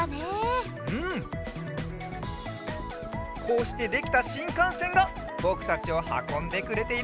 こうしてできたしんかんせんがぼくたちをはこんでくれているんだね。